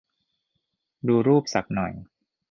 ดูรูปสักหน่อย